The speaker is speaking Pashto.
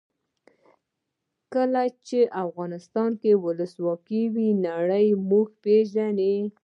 کله چې افغانستان کې ولسواکي وي نړۍ موږ پېژني.